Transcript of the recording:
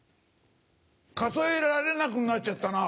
数えられなくなっちゃったな。